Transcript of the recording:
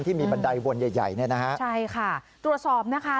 ที่มีบันไดวนใหญ่นี่นะฮะใช่ค่ะตรวจสอบนะคะ